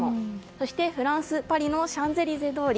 そして、フランス・パリのシャンゼリゼ通り。